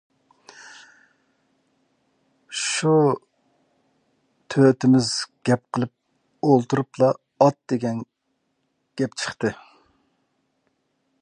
شۇ تۆتىمىز گەپ قىلىپ ئولتۇرۇپلا، ئات دېگەن گەپ چىقتى.